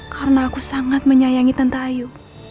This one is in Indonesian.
karena aku sangat menyayangi tante ayu